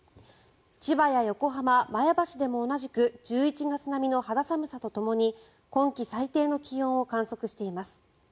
千葉や横浜、前橋でも同じく１１月並みの肌寒さとともに今季最低の気温を観測しています。